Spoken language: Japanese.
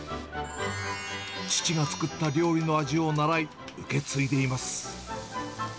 父が作った料理の味を習い、受け継いでいます。